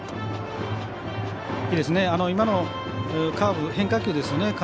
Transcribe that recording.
今のカーブ、変化球ですね。